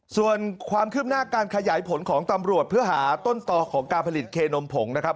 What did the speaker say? ส่วนความคืบหน้าการขยายผลของตำรวจเพื่อหาต้นต่อของการผลิตเคนมผงนะครับ